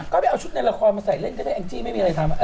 ก็ไปเอาชุดในละครมาใส่เล่นก็ได้แองจี้ไม่มีอะไรทำ